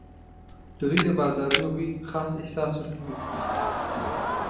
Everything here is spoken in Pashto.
د دوی د بازارونو بوی خاص احساس ورکوي.